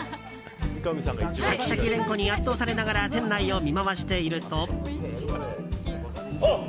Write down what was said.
シャキシャキ連呼に圧倒されながら店内を見回していると。